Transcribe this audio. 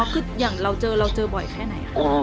คืออย่างเราเจอเราเจอบ่อยแค่ไหน